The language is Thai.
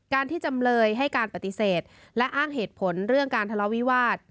ที่จำเลยให้การปฏิเสธและอ้างเหตุผลเรื่องการทะเลาวิวาส